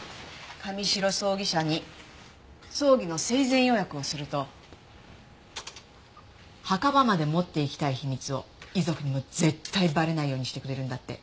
神城葬儀社に葬儀の生前予約をすると墓場まで持っていきたい秘密を遺族にも絶対バレないようにしてくれるんだって。